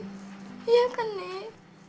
ibu preman kan nek